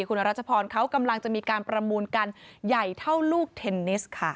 คุณรัชพรเขากำลังจะมีการประมูลกันใหญ่เท่าลูกเทนนิสค่ะ